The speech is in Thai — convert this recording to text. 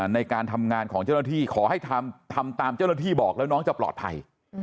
ในการทำงานของเจ้าหน้าที่ขอให้ทำตามเจ้าหน้าที่บอกแล้วน้องจะปลอดภัย